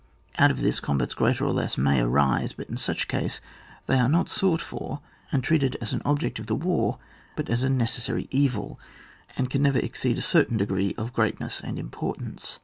Out of this, combats greater or less may arise, but in such case they are not sought for and treated as an object of the war but as a necessary evil, and can never exceed a certain degree of greatness and importance.